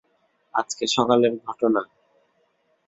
আজ সকালের ঘটনা।